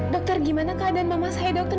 dokter gimana keadaan mama saya dokter